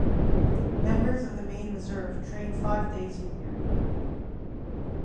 Members of the main reserve train five days a year.